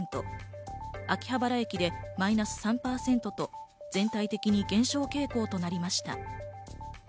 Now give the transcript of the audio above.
秋葉原駅でマイナス３％と全体的に減少傾向となりました。